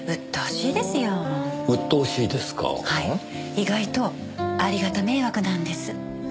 意外とありがた迷惑なんです。